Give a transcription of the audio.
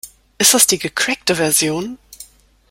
Ist das die gecrackte Version?